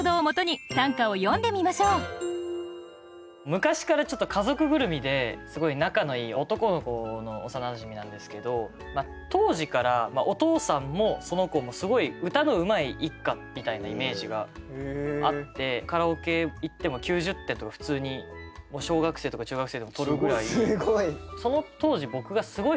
昔から家族ぐるみですごい仲のいい男の子の幼なじみなんですけど当時からお父さんもその子もすごい歌のうまい一家みたいなイメージがあってカラオケ行っても９０点とか普通に小学生とか中学生でも取るぐらい。